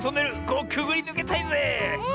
ここくぐりぬけたいぜえ！